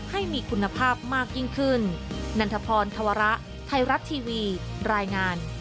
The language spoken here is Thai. ให้มีคุณภาพมากยิ่งขึ้น